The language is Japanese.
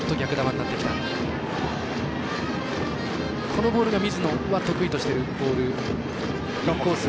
このボール水野が得意としているコース。